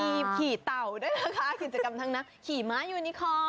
ไม่ต้องขี่เต่าคิดกรรมทางน้ำขี่ม้ายูนิคอล